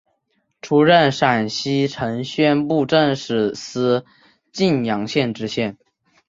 出任陕西承宣布政使司泾阳县知县。